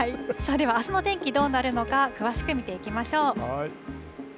あすの天気どうなるのか、詳しく見ていきましょう。